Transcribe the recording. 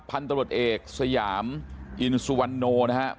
พันธุรดเอกสยามอินซวันนต์นะครับ